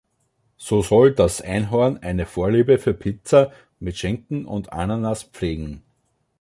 So soll das Einhorn eine Vorliebe für Pizza mit Schinken und Ananas pflegen.